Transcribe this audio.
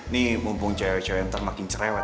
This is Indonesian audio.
nih mumpung cewek cewek ntar makin cerewet